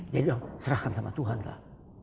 jadi serahkan sama tuhanlah